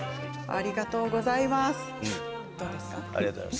ありがとうございます。